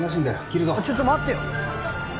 切るぞちょっと待ってよ